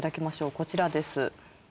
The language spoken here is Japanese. こちらです。